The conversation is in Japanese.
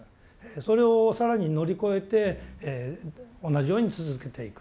それを更に乗り越えて同じように続けていく。